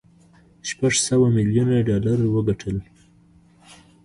شپږ سوه ميليونه ډالر وګټل.